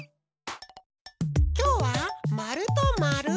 きょうはまるとまる。